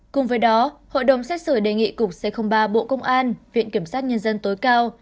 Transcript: cùng với đó hội đồng xét xử đề nghị cục c ba bộ công an viện kiểm sát nhân dân tối cao